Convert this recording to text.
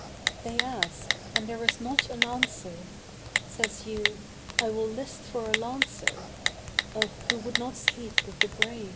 They ask and there is not an answer; Says you, I will 'list for a lancer, Oh who would not sleep with the brave?